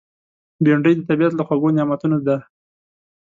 بېنډۍ د طبیعت له خوږو نعمتونو ده